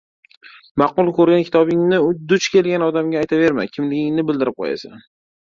Ma’qul ko‘rgan kitobingni duch kelgan odamga aytaverma — kimligingni bildirib qo‘yasan.